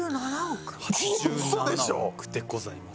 ８７億でございます。